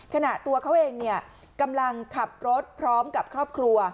ตัวเขาเองกำลังขับรถพร้อมกับครอบครัว